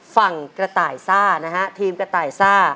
ฝั่งกระต่ายซ่านะฮะทีมกระต่ายซ่า